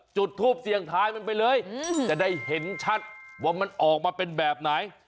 จุดทูปเสียงทายมันไปเลยจะได้เห็นชัดว่ามันออกมาเป็นแบบไหน